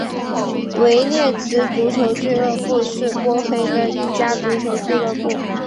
维列兹足球俱乐部是波黑的一家足球俱乐部。